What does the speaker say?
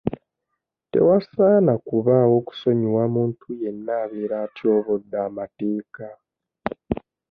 Tewasaana kubaawo kusonyiwa muntu yenna abeera atyobodde amateeka.